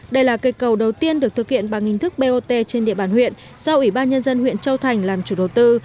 đây là cây cầu đầu tiên được thực hiện bằng hình thức bot trên địa bàn huyện do ủy ban nhân dân huyện châu thành làm chủ đầu tư